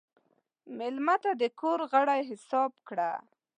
مېلمه ته د کور غړی حساب کړه.